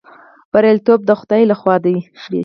بریالیتوب د خدای لخوا دی